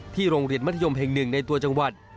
โรงเรียนมัธยมแห่งหนึ่งในตัวจังหวัด